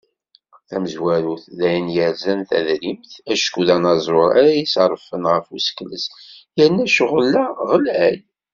Tamezwarut, d ayen yerzan tadrimt, acku d anaẓur ara iseṛfen ɣef usekles, yerna ccɣel-a ɣlay.